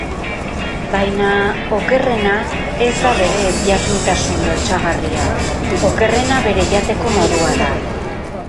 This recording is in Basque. Baina okerrena ez da bere ezjakintasun lotsagarria, okerrena bere jateko modua da.